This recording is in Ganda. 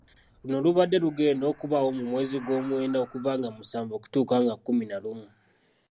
Luno lubadde lugenda okubaawo mu mwezi gwomwenda okuva nga musanvu okutuuka nga kkumi na lumu.